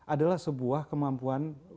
adalah sebuah kemampuan